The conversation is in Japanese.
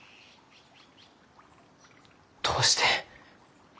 どうして？